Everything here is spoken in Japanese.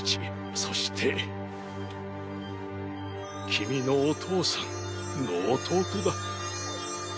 そして君のお父さんの弟だ。